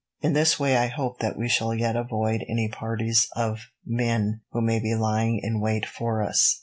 In this way I hope that we shall yet avoid any parties of men who may be lying in wait for us.